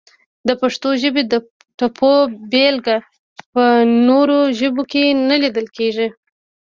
د پښتو ژبې د ټپو بېلګه په نورو ژبو کې نه لیدل کیږي!